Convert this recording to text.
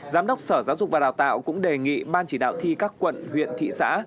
giám đốc sở giáo dục và đào tạo cũng đề nghị ban chỉ đạo thi các quận huyện thị xã